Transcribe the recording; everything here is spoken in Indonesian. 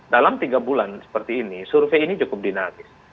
dalam tiga bulan seperti ini survei ini cukup dinamis